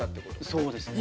そうですね。